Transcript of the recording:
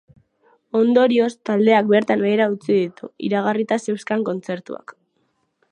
Ondorioz, taldeak bertan behera utzi ditu iragarrita zeuzkan kontzertuak.